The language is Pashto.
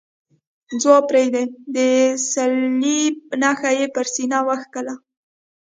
ځواب پرېږدئ، د صلیب نښه یې پر سینه وکښل.